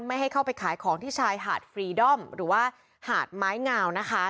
ให้เข้าไปขายของที่ชายหาดฟรีดอมหรือว่าหาดไม้งาวนะคะ